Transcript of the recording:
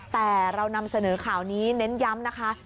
แต่เรานำเสนอข่าวนี้เน้นย้ำนะคะ